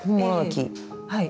はい。